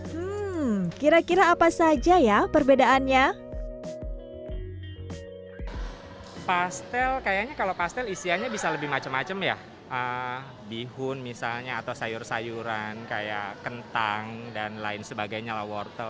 hmm kira kira apa saja ya perbedaannya